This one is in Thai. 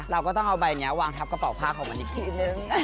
เราก็ต้องเอาใบนี้วางทับกระเป๋าผ้าของมันอีกทีนึง